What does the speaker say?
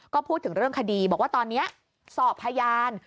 ก็พูดถึงเรื่องคดีบอกว่าตอนนี้สอบพยาน